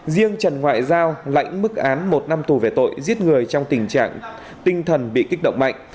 riêng trần ngoại giao lãnh mức án một năm tù về tội giết người trong tình trạng tinh thần bị kích động mạnh